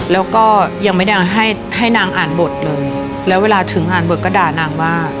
แล้วก็ยังไม่ได้ให้ให้นางอ่านบทเลยแล้วเวลาถึงอ่านบทก็ด่านางว่า